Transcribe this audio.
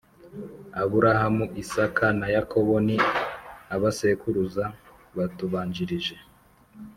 Aburahamu Isaka na Yakobo ni abasekuruza batubanjirije